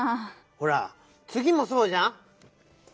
ほらつぎもそうじゃん。